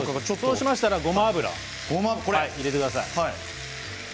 そうしたらごま油を入れてください。